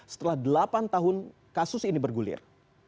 setelah delapan tahun kasus ini bergulir